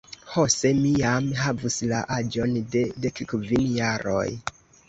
Ho, se mi jam havus la aĝon de dekkvin jaroj!